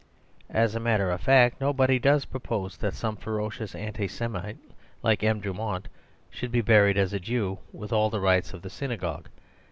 As a matter of fact nobody does propose that some ferocious Anti Semite like M. Drumont should be buried as a Jew with all the rites of the Synagogue.